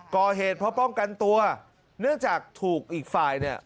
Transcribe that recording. ก่อเหตุเพราะป้องกันตัวเนื่องจากถูกอีกฝ่ายเนี่ย